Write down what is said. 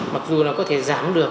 mặc dù là có thể giảm được